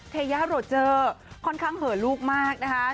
เทยาโรเจอร์ค่อนข้างเหอลูกมากนะคะ